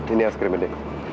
ini es krimnya de